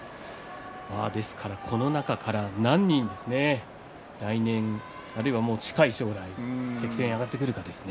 この中から何人来年、あるいは近い将来関取に上がってくるかですね。